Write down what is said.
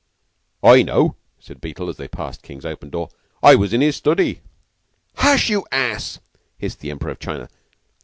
"I know," said Beetle, as they passed King's open door. "I was in his study." "Hush, you ass!" hissed the Emperor of China.